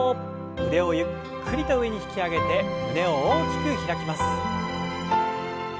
腕をゆっくりと上に引き上げて胸を大きく開きます。